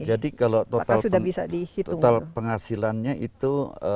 jadi kalau total penghasilannya itu